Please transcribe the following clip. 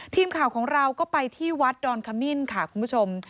ทีมข่าวของเราก็ไปที่วัดดอนขมิ้นค่ะคุณผู้ชม